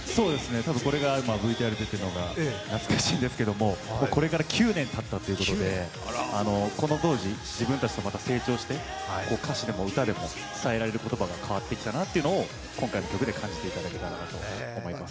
たぶんこれがＶＴＲ出てるのが懐かしいんですけれども、これから９年たったということでこの当時とは自分たちが成長して歌詞でも歌でも伝えられる言葉が変わってきたなというのが今回の曲で感じていただけたらなと思います。